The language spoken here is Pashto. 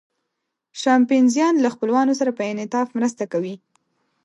شامپانزیان له خپلوانو سره په انعطاف مرسته کوي.